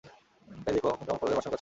তাই ডেকো, কিন্তু তোমার মাসিমার কাছে নয়।